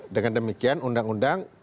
dengan demikian undang undang